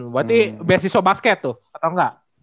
berarti beasiswa basket tuh atau enggak